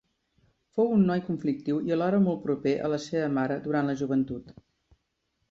Fou un noi conflictiu i alhora molt proper a la seva mare durant la joventut.